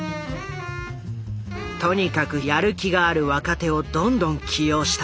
とにかくやる気がある若手をどんどん起用した。